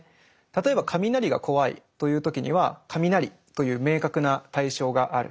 例えば雷が怖いという時には雷という明確な対象がある。